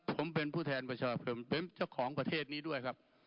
ผมเป็นผู้แทนประชาคมเป็นเจ้าของประเทศนี้ด้วยครับ